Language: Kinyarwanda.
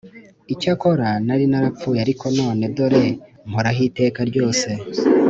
Icyakora nari narapfuye ariko none dore mporaho iteka ryose,